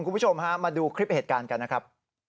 คุณผู้ชมฮะมาดูคลิปเหตุการณ์กันนะครับ